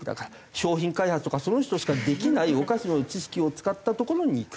商品開発とかその人しかできないお菓子の知識を使った所にいく。